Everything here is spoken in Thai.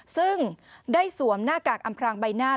ซึ่งได้สวมหน้ากากอำพรางใบหน้า